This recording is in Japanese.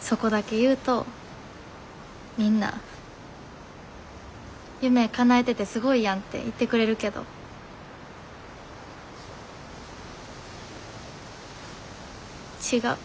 そこだけ言うとみんな「夢かなえててすごいやん」って言ってくれるけど違う。